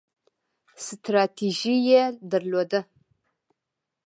ستراتیژي یې درلوده.